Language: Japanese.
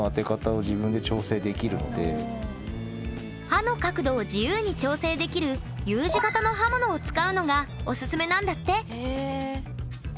刃の角度を自由に調整できるＵ字型の刃物を使うのがおすすめなんだって！